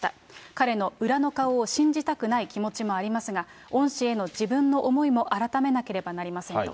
彼の裏の顔を信じたくない気持ちもありますが、恩師への自分の思いも改めなければなりませんと。